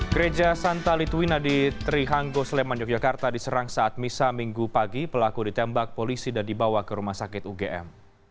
gereja santa litwina di trihanggo sleman yogyakarta diserang saat misa minggu pagi pelaku ditembak polisi dan dibawa ke rumah sakit ugm